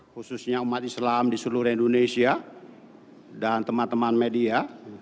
khususnya umat islam di seluruh indonesia dan teman teman media